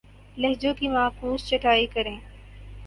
لہجوں کی معکوس چھٹائی کریں